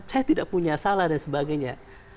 saya tidak punya salah dan sebagainya